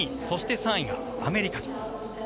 そして３位がアメリカと。